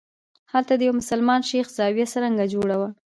هلته د یوه مسلمان شیخ زاویه څرنګه جوړه وه.